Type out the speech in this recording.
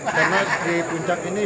karena di puncak ini